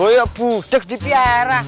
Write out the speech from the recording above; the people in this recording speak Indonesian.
oh ya budeg dipiara